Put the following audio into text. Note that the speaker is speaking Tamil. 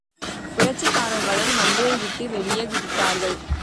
புரட்சிக்காரர்களும் வண்டியை விட்டு வெளியே குதித்தார்கள்.